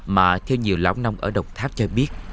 mà theo nhiều lão nông ở đồng tháp cho biết